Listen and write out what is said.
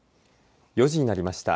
４時になりました。